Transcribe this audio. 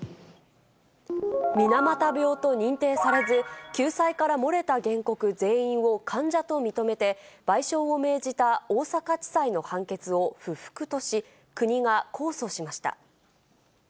水俣病と認定されず、救済から漏れた原告全員を患者と認めて、賠償を命じた大阪地裁の判決を不服とし、国が控訴しました。